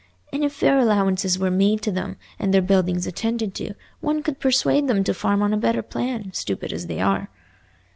And if fair allowances were made to them, and their buildings attended to, one could persuade them to farm on a better plan, stupid as they are."